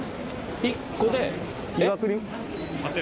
１個で。